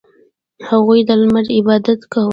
• هغوی د لمر عبادت کاوه.